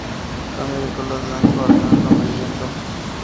Cambia de color blanco al blanco amarillento.